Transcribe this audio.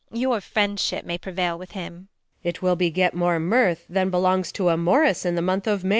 Your friendship may prevail with him. Luc. It will beget more mirth, than belongs To a morrice in the month of May.